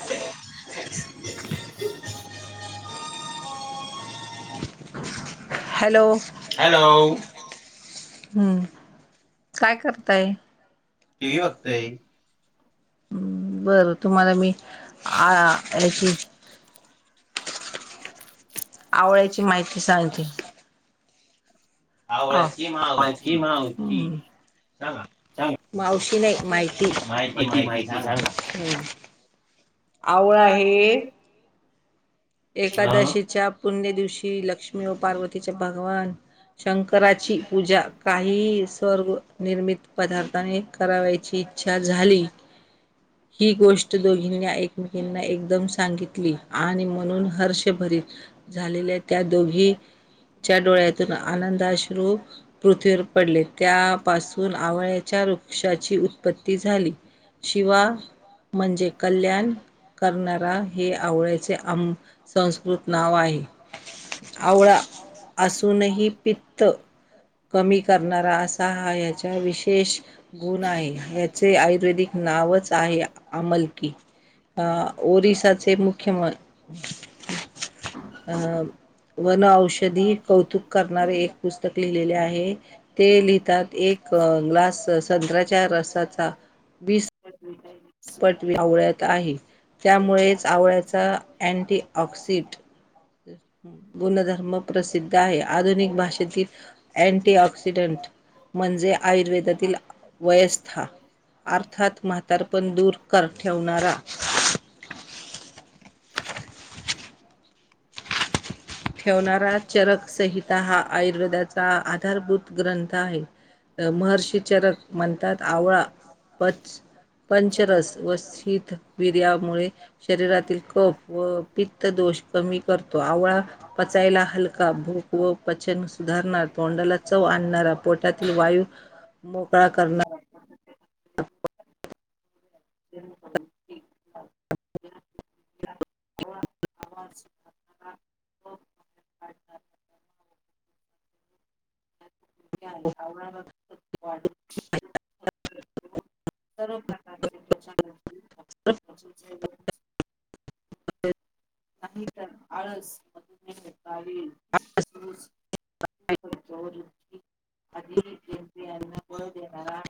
[inaudible] Hello. Hello. हम्म. काय करताय? टिव्ही बघतोय. हम. बरं तुम्हाला मी आ [unintelligible] आवळ्याची माहिती [unintelligible] [unintelligible] मावशी. सांगा. मावशी नाही माहिती. माहिती, माहिती. सांगा. आवळ हे - - एकादशीच्या पुण्य दिवशी लक्ष्मी व पार्वतीच्या भगवान शंकराची पूजा काहीही स्वर्ग निर्मित पदार्थाने करावाची इच्छा झाली. ही गोष्ट दोघींना ए दोघिंना एकदम सांगितली आणि म्हणून - - हर्षभरीत झालेल्या त्या दोघी च्या डोळ्यातून आनंद आश्रू पृथ्वीवर पडले. त्यापासून आवळ्याच्या वृक्षाची उत्पत्ती झाली. शिवा म्हणजे कल्याण करणारा हे आवळ्याचे आम संस्कृत नाव आहे. आवळा असूनही पित्त कमी करणारा असा हा याचा विशेष. गुण आहे या्याचे आयुर्वेदिक नावच आहे आमलकी. अ ओरिसाचे मुख्य अं वन औषधी कौतुक करणारे एक पुस्तक लिहिलेले आहे. ते लिहितात एक ग्लास संत्र्याच्या रसाचा वीस पण मी खायली. पटवी आवळ्यात आहे त्यामुळेच आवळ्याचा अँटी ऑक्सिट गुणधर्म प्रसिद्ध आहे आधुनिक भाषेतील. अँटी ऑक्सिडेंट म्हणजे आयुर्वेदातील वयस्था अर्थात म्हातारपण दूर कर ठेवणारा. ठेवणारा चरक संहिता हा आयुर्वेदाचा आधारभूत ग्रंथ आहे. अ महर्षीच्या [unintelligible] आवळा पच पंचरस व शीतविर्यामुळे शरीरातील कफ व पित दोष कमी करतो, आवळा पचायला हलका भूक व पचनुस सुधारणार तोंडाला चव आणणारा पोटातील वायू मोकळा करणार. ह. [unintelligible] ते [unintelligible] आवळा रस [unintelligible] सर्व प्रकारचे [unintelligible] नाही तर आळस, मधुमेह, कावीळ [unintelligible] अधिंतियाना बळ देणारा.